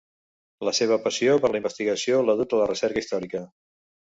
La seva passió per la investigació l'ha dut a la recerca històrica.